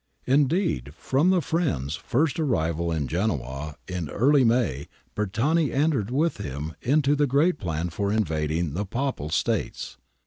Indeed, from 'the friend's' first arrival in Genoa early in May, Bertani entered with him into the great plan for invading the Papal States.